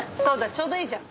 ちょうどいいじゃん。